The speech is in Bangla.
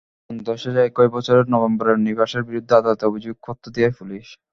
তদন্ত শেষে একই বছরের নভেম্বরে নিবাসের বিরুদ্ধে আদালতে অভিযোগপত্র দেয় পুলিশ।